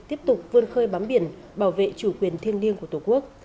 tiếp tục vươn khơi bám biển bảo vệ chủ quyền thiêng liêng của tổ quốc